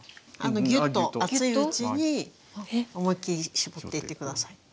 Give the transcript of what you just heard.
ぎゅっと熱いうちに思いっきり搾っていって下さい。